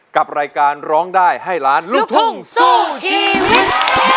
กับรายการร้องได้ให้ล้านลูกทุ่งสู้ชีวิต